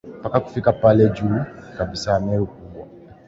mpaka kufika pale juu kabisa Meru Kubwa